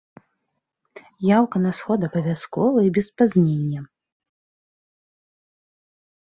Яўка на сход абавязкова і без спазнення.